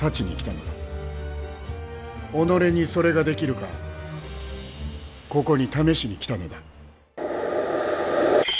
己にそれができるかここに試しに来たのだ。